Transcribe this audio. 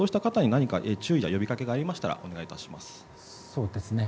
そうした方に何か注意や呼びかけがありましたらお願いいたします。